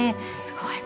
すごい。